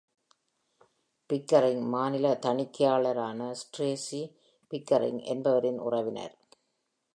Pickering, மாநில தணிக்கையாளரான Stacey Pickering என்பவரின் உறவினர்.